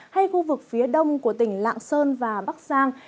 hay khu vực phía đông của tỉnh lạng sơn và bắc giang